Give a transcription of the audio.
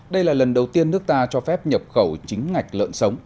đây là lần đầu tiên nước ta cho phép nhập khẩu chính ngạch lợn sống